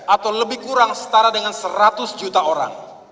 atau lebih kurang setara dengan seratus juta orang